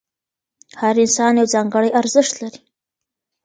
هر انسان یو ځانګړی ارزښت لري.